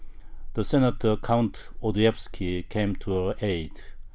The Senator Count Odoyevski came to her aid.